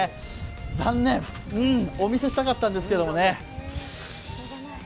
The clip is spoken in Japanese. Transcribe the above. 残念、お見せしたかったんですけどね。